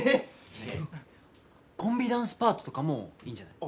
コンビダンスパートとかもいいんじゃない？